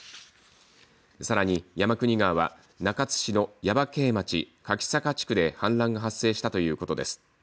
さらに山国川は中津市の耶馬渓町柿坂地区で氾濫が発生したということです。